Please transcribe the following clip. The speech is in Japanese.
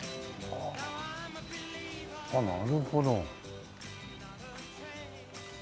あっなるほど。